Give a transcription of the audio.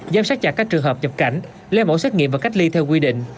giám sát chặt các trường hợp nhập cảnh lấy mẫu xét nghiệm và cách ly theo quy định